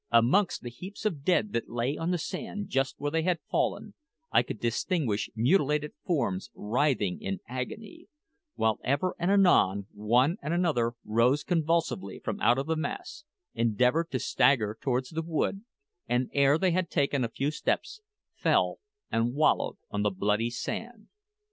Amongst the heaps of dead that lay on the sand just where they had fallen, I could distinguish mutilated forms writhing in agony; while ever and anon one and another rose convulsively from out the mass, endeavoured to stagger towards the wood, and ere they had taken a few steps, fell and wallowed on the bloody sand.